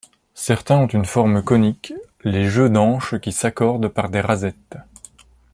Certains ont une forme conique, les jeux d'anches qui s'accordent par des rasettes.